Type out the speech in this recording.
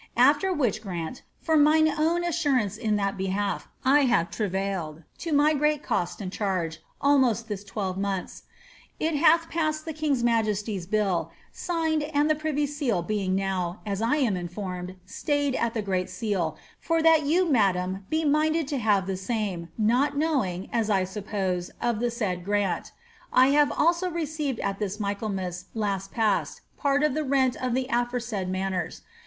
Afler which grant, r mine own assurance in that behalf, I have travailed, to my great cost and ■rge. almost this twelve months; it hath passed the king's majesty's bill, signed, td the privy seal being now, as I am informed, stayed at the great seal, for a: you, madam, be minded to have the same, not knowing, as I suppose, of lb said granL I have also received at this Michaelmas last past part of the ttt of the aforesaid manors.